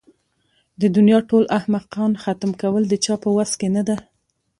د دنيا ټول احمقان ختم کول د چا په وس کې نه ده.